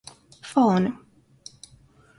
Faun.